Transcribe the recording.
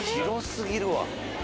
広過ぎるわ。